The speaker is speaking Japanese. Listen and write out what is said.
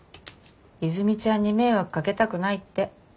和泉ちゃんに迷惑掛けたくないって。